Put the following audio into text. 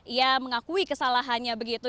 ia mengakui kesalahannya begitu